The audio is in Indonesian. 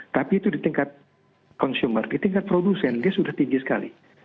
tapi itu di tingkat consumer di tingkat produsen dia sudah tinggi sekali